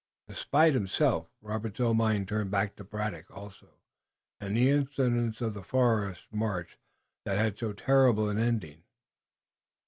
Despite himself, Robert's own mind turned back to Braddock also, and all the incidents of the forest march that had so terrible an ending.